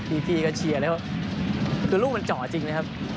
พี่ก็เชียร์แล้วคือลูกมันเจาะจริงนะครับ